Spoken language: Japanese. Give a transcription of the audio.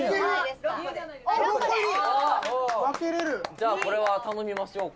「じゃあこれは頼みましょうか」